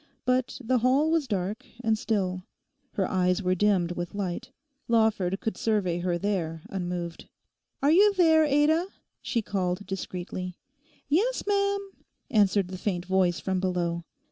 But the hall was dark and still; her eyes were dimmed with light. Lawford could survey her there unmoved. 'Are you there, Ada?' she called discreetly. 'Yes, ma'am,' answered the faint voice from below.